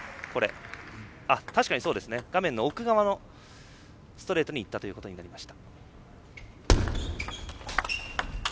確かに画面の奥側のストレートにいったということになりました。